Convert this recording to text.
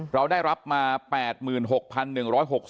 เราได้รับมา๘ราย